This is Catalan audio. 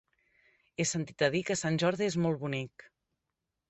He sentit a dir que Sant Jordi és molt bonic.